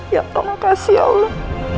ya terima kasih ya allah